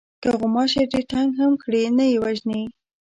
که غوماشی ډېر تنگ هم کړي نه یې وژنې.